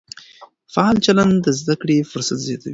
فعال چلند د زده کړې فرصت زیاتوي.